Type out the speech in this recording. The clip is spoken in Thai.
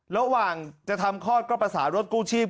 ระหว่างจะทำคลอดก็ประสานรถกู้ชีพ